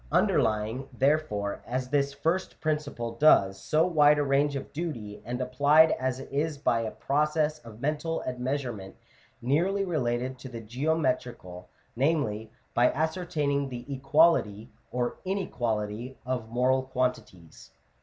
Underlying, therefore, as this first principle does, so wide a range of duty, and applied as it is by a process of mental admeasurement nearly related to the geometrical — namely, by ascertaining the equality or inequality of moral quantities (p.